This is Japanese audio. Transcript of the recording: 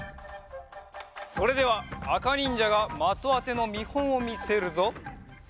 それではあかにんじゃが的あてのみほんをみせるぞ。